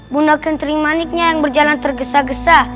bunda kentering maniknya yang berjalan tergesa gesa